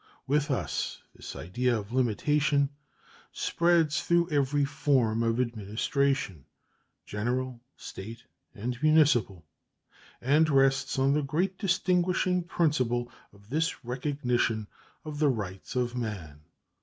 With us this idea of limitation spreads through every form of administration general, State, and municipal and rests on the great distinguishing principle of the recognition of the rights of man.